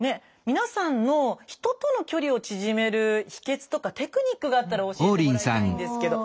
皆さんの人との距離を縮める秘けつとかテクニックがあったら教えてもらいたいんですけど。